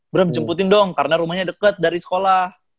bram jemputin dong karena rumahnya deket dari sekolah